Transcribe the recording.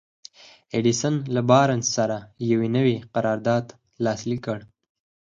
ايډېسن له بارنس سره يو نوی قرارداد لاسليک کړ.